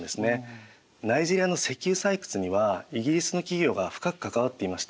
ナイジェリアの石油採掘にはイギリスの企業が深く関わっていました。